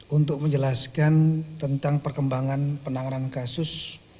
untuk menjelaskan tentang perkembangan penanganan kasus